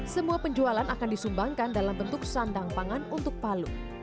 semua penjualan akan disumbangkan dalam bentuk sandang pangan untuk palu